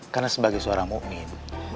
karena sebagai seorang mu'min